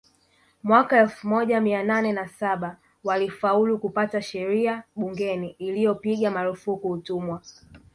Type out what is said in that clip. Mwaka elfu moja mia nane na saba walifaulu kupata sheria bungeni iliyopiga marufuku utumwa